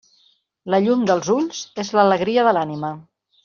La llum dels ulls és l'alegria de l'ànima.